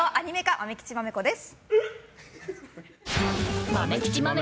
「まめきちまめこ」です。